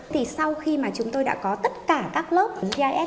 thì sau khi mà chúng tôi đã có tất cả các lớp gis